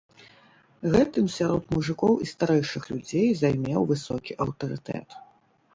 Гэтым сярод мужыкоў і старэйшых людзей займеў высокі аўтарытэт.